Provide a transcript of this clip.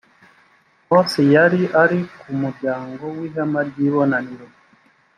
mose yari ari ku muryango w ihema ry ibonaniro